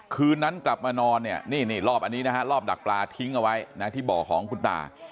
คืนนั้นกลับมานอนเนี่ยรอบดักปลาทิ้งเอาไว้ที่บ่อของคุณตา